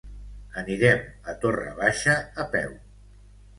Anirem a Torre Baixa a peu.